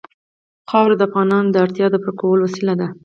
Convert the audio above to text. خاوره د افغانانو د اړتیاوو د پوره کولو وسیله ده.